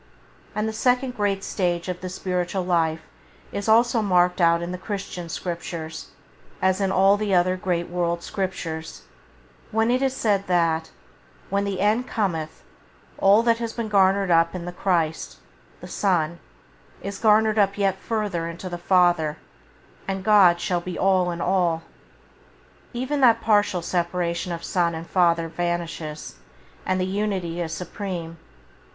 And the second great stage of the spiritual life is also marked out in the Christian scriptures, as in all the other great [Page 5] world scriptures, when it is said that, when the end cometh, all that has been gathered up in the Christ, the Son, is gathered up yet further into the Father, and "God shall be all in all". Even that partial separation of Son and Father vanishes, and the unity is supreme.